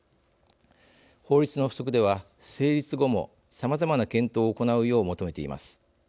法律の付則では成立後もさまざまな検討を行うよう求めています。